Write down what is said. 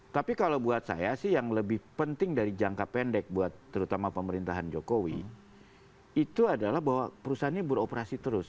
tapi kalau buat saya sih yang lebih penting dari jangka pendek buat terutama pemerintahan jokowi itu adalah bahwa perusahaannya beroperasi terus